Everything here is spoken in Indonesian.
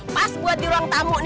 pas buat di ruang tamu nih kan